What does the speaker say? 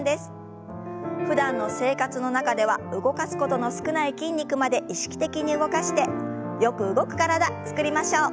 ふだんの生活の中では動かすことの少ない筋肉まで意識的に動かしてよく動く体つくりましょう。